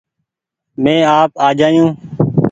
مينٚ آپ آجآيو